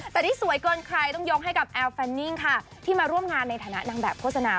แต่ที่สวยเกินใครต้องยกให้กับแอลแฟนนิ่งค่ะที่มาร่วมงานในฐานะนางแบบโฆษณา